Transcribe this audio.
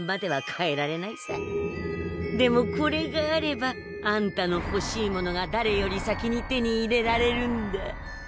でもこれがあればあんたのほしいものがだれより先に手に入れられるんだ。